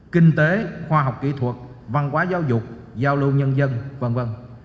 kinh tế khoa học kỹ thuật văn hóa giáo dục giao lưu nhân dân v v